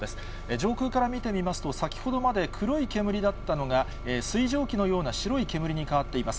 上空から見てみますと、先ほどまで黒い煙だったのが、水蒸気のような白い煙に変わっています。